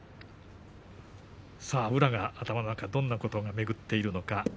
宇良、頭の中でどんなことが巡っているのか。